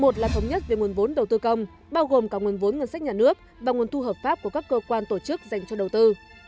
một là thống nhất về nguồn vốn đầu tư công bao gồm cả nguồn vốn ngân sách nhà nước và nguồn thu hợp pháp của các cơ quan tổ chức dành cho đầu tư